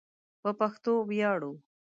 په پښتو ویاړو